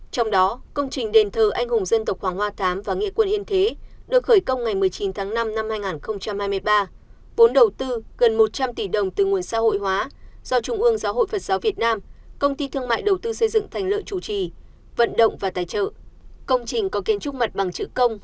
trong đó công trình đền thờ anh hùng dân tộc hoàng hoa thám và nghệ quân yên thế được khởi công ngày một mươi chín tháng năm năm hai nghìn hai mươi ba vốn đầu tư gần một trăm linh tỷ đồng từ nguồn xã hội hóa do trung ương giáo hội phật giáo việt nam công ty thương mại đầu tư xây dựng thành lợi chủ trì vận động và tài trợ